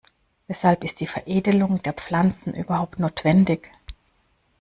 Weshalb ist die Veredelung der Pflanzen überhaupt notwendig?